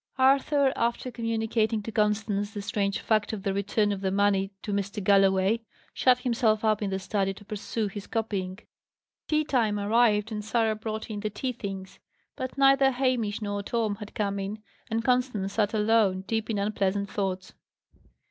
Arthur, after communicating to Constance the strange fact of the return of the money to Mr. Galloway, shut himself up in the study to pursue his copying. Tea time arrived, and Sarah brought in the tea things. But neither Hamish nor Tom had come in, and Constance sat alone, deep in unpleasant thoughts.